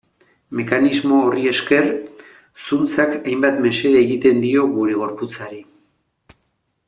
Mekanismo horri esker, zuntzak hainbat mesede egiten dio gure gorputzari.